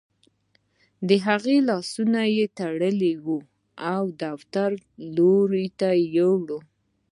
د هغه لاسونه تړلي وو او د دفتر لور ته لاړ